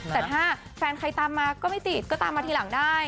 แต่ถ้าแฟนใครตามมาก็ไม่ติดก็ตามมาทีหลังได้